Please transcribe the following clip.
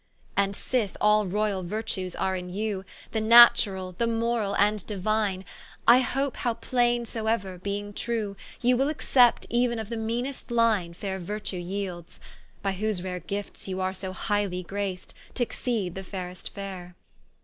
And sith all royall virtues are in you, The Naturall, the Morall, and Diuine, I hope how plaine soeuer, beeing true, You will accept euen of the meanest line Faire Virtue yeelds; by whose rare gifts you are So highly grac'd, t'exceed the fairest faire.